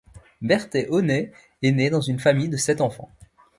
Berthet One est né dans une famille de sept enfants.